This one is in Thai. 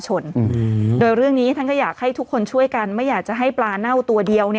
ฮ่าฮ่าฮ่าฮ่าฮ่า